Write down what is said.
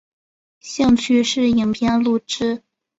兴趣是影片录制。